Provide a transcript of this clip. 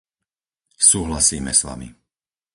Súhlasíme s vami.